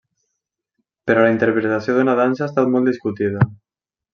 Però la interpretació d'una dansa ha estat molt discutida.